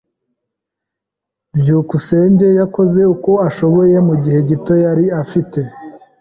byukusenge yakoze uko ashoboye mugihe gito yari afite.